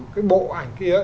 cái bộ ảnh kia